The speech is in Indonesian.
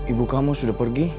ibu kamu sudah pergi